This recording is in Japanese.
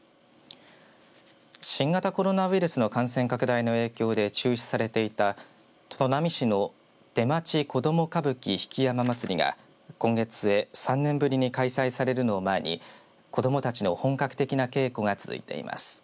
新型コロナウイルスの感染拡大の影響で中止されていた、砺波市の出町子供歌舞伎曳山祭りが今月末、３年ぶりに開催されるのを前に子どもたちの本格的な稽古が続いています。